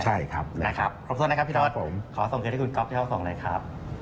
ใช่ครับนะครับครบส่วนนะครับพี่ทอดขอส่งเงินให้คุณก๊อฟย่อส่งเลยครับ